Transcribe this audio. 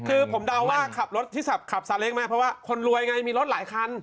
คือผมเดาว่าขับรถที่ขับซาเล้งมาเพราะว่าคนรวยไงมีรถหลายคัน